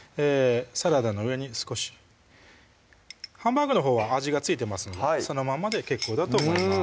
サラダの上に少しハンバーグのほうは味が付いてますのでそのまんまで結構だと思います